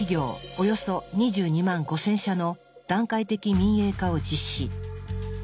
およそ２２万５０００社の段階的民営化を実施。